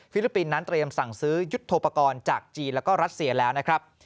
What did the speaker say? ลิปปินส์นั้นเตรียมสั่งซื้อยุทธโปรกรณ์จากจีนแล้วก็รัสเซียแล้วนะครับ